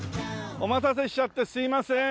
お待たせしちゃってすみません。